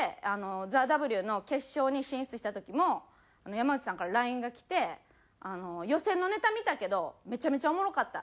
ＴＨＥＷの決勝に進出した時も山内さんからＬＩＮＥがきて「予選のネタ見たけどめちゃめちゃおもろかった」